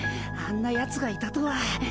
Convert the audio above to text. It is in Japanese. あんなやつがいたとは。